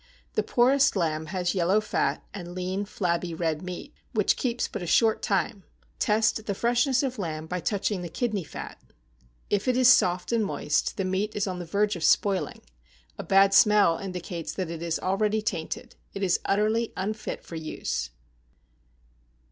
The poorest lamb has yellow fat, and lean, flabby red meat, which keeps but a short time. Test the freshness of lamb by touching the kidney fat; if it is soft and moist the meat is on the verge of spoiling; a bad smell indicates that it is already tainted; it is utterly unfit for use.